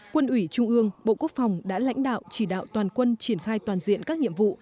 quân ủy trung ương bộ quốc phòng đã lãnh đạo chỉ đạo toàn quân triển khai toàn diện các nhiệm vụ